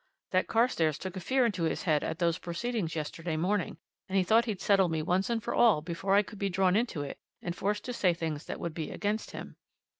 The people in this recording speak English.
that Carstairs took a fear into his head at those proceedings yesterday morning, and he thought he'd settle me once and for all before I could be drawn into it and forced to say things that would be against him."